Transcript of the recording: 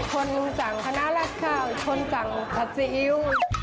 ชนจังขนาดรักข้าวชนจังผัดซีอิ๊ว